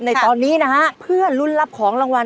ในตอนนี้นะฮะเพื่อลุ้นรับของรางวัล